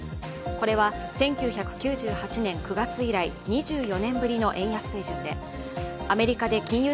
これは１９９８年９月以来２４年ぶりの円安水準でアメリカで金融